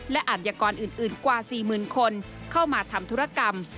และอาจยากรอื่นกว่า๔๐๐๐คนเข้ามาทำธุรกรรม